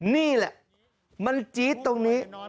นี่แหละมันจี๊ดตรงนี้